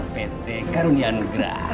pt karunia nugra